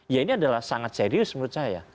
ya ini adalah sangat serius menurut saya